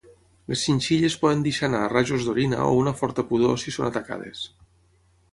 Les xinxilles poden deixar anar rajos d'orina o una forta pudor si són atacades.